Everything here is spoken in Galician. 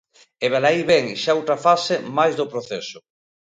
E velaí vén xa outra fase máis do proceso.